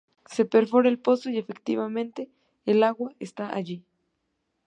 Se perfora el pozo y efectivamente, el agua está allí.